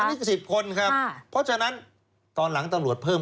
อันนี้ก็สิบคนครับค่ะเพราะฉะนั้นตอนหลังตลอดเพิ่ม